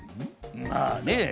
まあね。